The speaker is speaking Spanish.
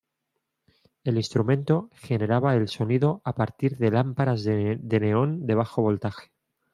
El instrumento generaba el sonido a partir de lámparas de neón de bajo voltaje.